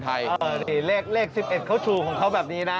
นี่เลข๑๑เขาชูของเขาแบบนี้นะ